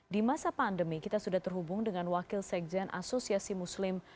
di masa pandemi kita sudah terhubung dengan wakil sekjen asosiasi muslim